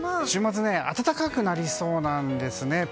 週末暖かくなりそうなんですね。